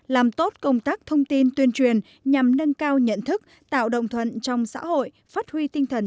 làm tốt công tác thông tin tuyên truyền nhằm nâng cao nhận thức tạo động thông tin